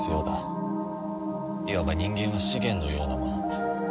いわば人間は資源のようなもの。